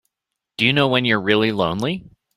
Do you know when you're really lonely?